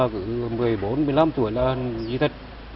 cứ một mươi bốn một mươi năm tuổi là gì thật